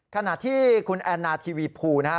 ขณะที่คุณแอนนาทีวีภูนะครับ